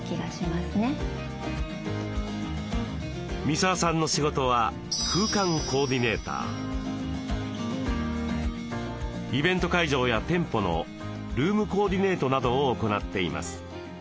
三沢さんの仕事はイベント会場や店舗のルームコーディネートなどを行っています。